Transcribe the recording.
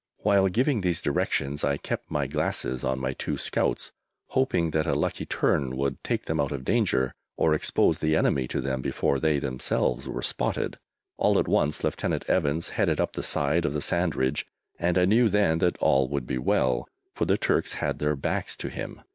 While giving these directions I kept my glasses on my two scouts, hoping that a lucky turn would take them out of danger, or expose the enemy to them before they themselves were spotted. All at once Lieutenant Evans headed up the side of the sand ridge, and I knew then that all would be well, for the Turks had their backs to him.